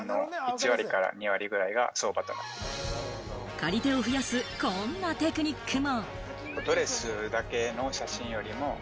借り手を増やすこんなテクニックも。